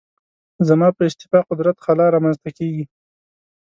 زما په استعفا قدرت خلا رامنځته کېږي.